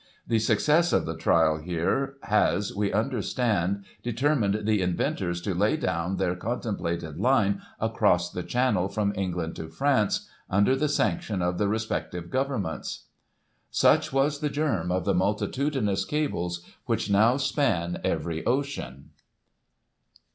The success of the trial here has, we understand, determined the inventors to lay down their contemplated line across the Channel, from England to France, under the sanction of the respective Governments." Such was the germ of the multitudinous cables which now span every ocean.